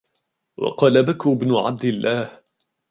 وَقَالَ بَكْرُ بْنُ عَبْدِ اللَّهِ